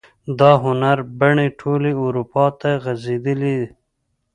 دا هنري بڼې ټولې اروپا ته وغزیدلې.